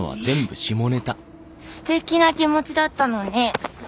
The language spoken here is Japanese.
素敵な気持ちだったのに。